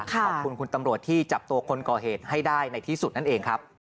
ขอบคุณคุณตำรวจที่จับตัวคนก่อเหตุให้ได้ในที่สุดนั่นเองครับ